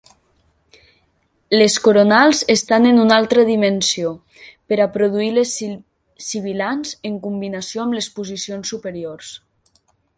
Les coronals estan en una altra dimensió, per a produir les sibilants en combinació amb les posicions superiors.